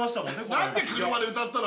何で車で歌ったの？